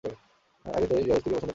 আগে তো এই জলহস্তিকেই পছন্দ করতে।